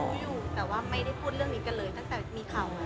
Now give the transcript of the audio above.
คือพี่ยุ้ยแต่ว่าไม่ได้พูดเรื่องนี้กันเลยตั้งแต่มีเขา